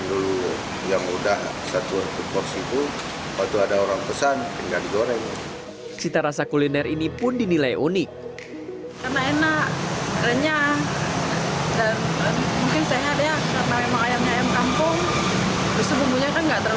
kalau memang ayamnya ayam kampung terus bumbunya kan nggak terlalu banyak macam macamnya itu aja kayaknya